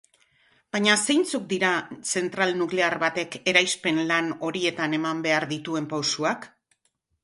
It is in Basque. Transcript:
Baina zeintzuk dira zentral nuklear batek eraispen lan horietan eman behar dituen pausuak?